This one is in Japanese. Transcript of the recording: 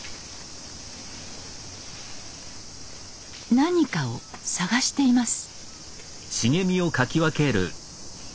何かを探しています。